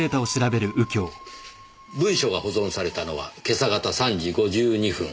文書が保存されたのは今朝方３時５２分。